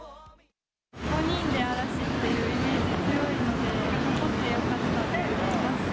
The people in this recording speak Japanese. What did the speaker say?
５人で嵐っていうイメージ強いので、残ってよかったなと思います。